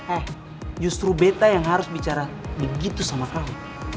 eh justru beta yang harus bicara begitu sama kamu